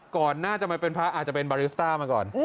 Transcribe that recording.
ก่อนหน้าจะมาเป็นพระอาจจะเป็นบาริสต้ามาก่อน